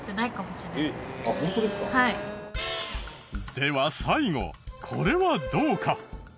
では最後これはどうか？